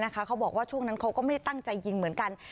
เขาบอกว่าช่วงนั้นเขาก็ไม่ได้ตั้งใจยิงเหมือนกัน